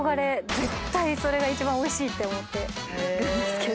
絶対それが一番おいしいって思ってるんですけど。